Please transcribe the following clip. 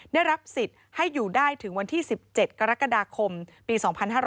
ได้รับสิทธิ์ให้อยู่ได้ถึงวันที่๑๗กรกฎาคมปี๒๕๕๙